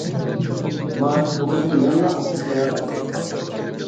ماك بۇ قېتىم يەنىلا ئوخشاش لاياقەتسىز بولۇپ قاپتۇ.